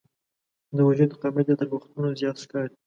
د وجود قامت یې تر وختونو زیات ښکاري.